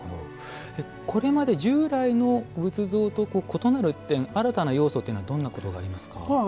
これまで従来の仏像と異なる点新たな要素というのはどんなことがありますか。